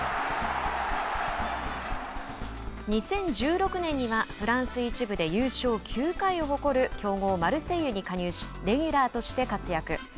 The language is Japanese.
２０１６年にはフランス１部で優勝９回を誇る強豪マルセイユに加入しレギュラーとして活躍。